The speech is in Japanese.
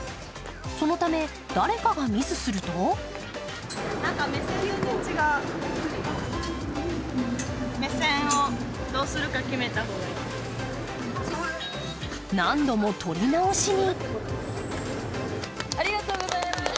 そのため誰かがミスすると何度も撮り直しに。